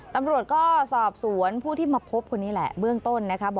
ตำรวจก็สอบสวนผู้ที่มาพบคนนี้แหละเบื้องต้นนะคะ